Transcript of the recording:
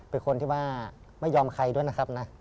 เป็นคนที่ว่าไม่ยอมใครด้วยนะครับนะ